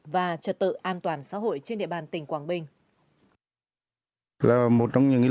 và trật tự an toàn xã hội trên địa bàn tỉnh quảng bình